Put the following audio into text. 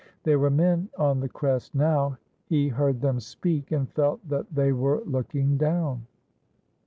There were men on the crest now. He heard them speak, and felt that they were looking down.